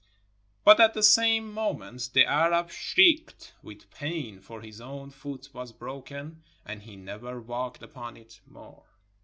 But at the same mo ment, the Arab shrieked with pain, for his own foot was broken, and he never walked upon it more.